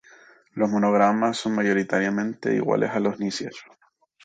Los monogramas son mayoritariamente iguales a los de Nicias.